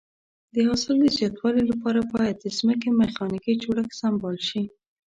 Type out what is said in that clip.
د حاصل د زیاتوالي لپاره باید د ځمکې میخانیکي جوړښت سمبال شي.